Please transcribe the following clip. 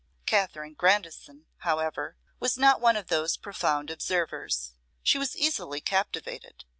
Katherine Grandison, however, was not one of those profound observers. She was easily captivated.